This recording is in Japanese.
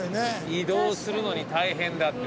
移動するのに大変だって事で。